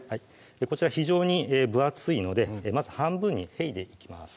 こちら非常に分厚いのでまず半分にへいでいきます